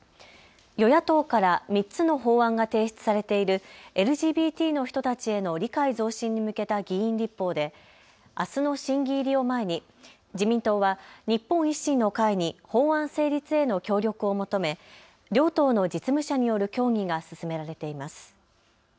与野党から３つの法案が提出されているＬＧＢＴの人たちへの理解増進に向けた議員立法であすの審議入りを前に自民党は日本維新の会に法案成立への協力を求め、両党の実務者による協議が進められています。